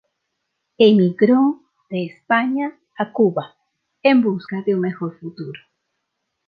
Emigró de España a Cuba en busca de un mejor futuro.